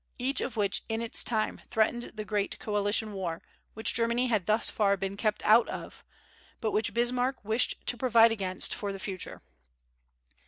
each of which in its time threatened the great "coalition war," which Germany had thus far been kept out of, but which Bismarck wished to provide against for the future.